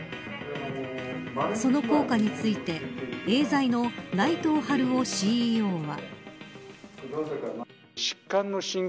その効果についてエーザイの内藤晴夫ＣＥＯは。